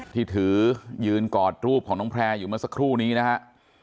ที่ถือยืนกอดรูปของน้องแพร่อยู่เมื่อสักครู่นี้นะฮะ